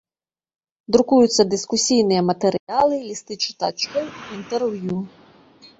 Друкуюцца дыскусійныя матэрыялы, лісты чытачоў, інтэрв'ю.